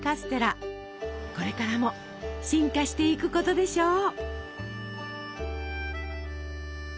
これからも進化していくことでしょう。